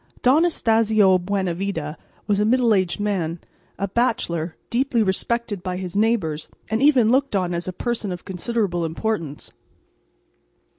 Don Anastacio Buenavida was a middle aged man, a bachelor, deeply respected by his neighbours, and even looked on as a person of considerable importance.